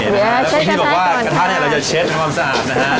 แล้วก็ที่บอกว่ากระทะเนี่ยเราจะเช็ดทำความสะอาดนะฮะ